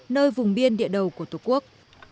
nơi vùng biên địa đầu của tổ quốc